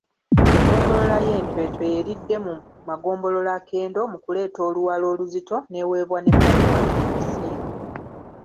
Eggombolola y'e Ntwetwe y'eridde mu magombolola akendo mu kuleeta Oluwalo oluzito n'eweebwa n'ebbaluwa egisiima.